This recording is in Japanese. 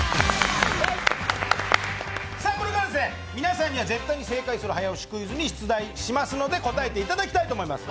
これから皆さんには絶対に正解する早押しクイズを出題しますので、答えていただきたいと思います。